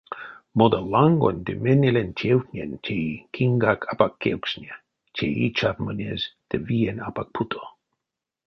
Модалангонь ды менелень тевтнень теи киньгак апак кевкстне, теи чатьмонезь ды виень апак путо.